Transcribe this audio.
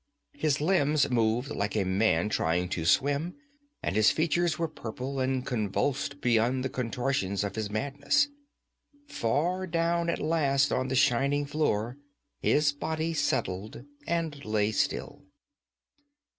His limbs moved like a man trying to swim, and his features were purple and convulsed beyond the contortions of his madness. Far down at last on the shining floor his body settled and lay still.